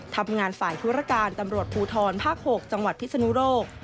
ทำงานฝ่ายธุรการตำรวจภูทรภาค๖จังหวัดพิศนุโลก